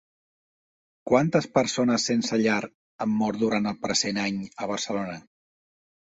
Quantes persones sense llar han mort durant el present any a Barcelona?